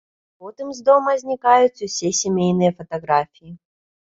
Потым з дома знікаюць усе сямейныя фатаграфіі.